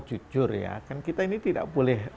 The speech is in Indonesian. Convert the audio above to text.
jujur ya kan kita ini tidak boleh